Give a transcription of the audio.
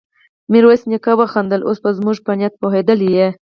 ميرويس نيکه وخندل: نو اوس به زموږ په نيت پوهېدلی يې؟